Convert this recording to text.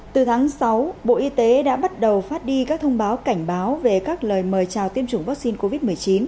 từ tháng sáu bộ y tế đã bắt đầu phát đi các thông báo cảnh báo về các lời mời chào tiêm chủng vaccine covid một mươi chín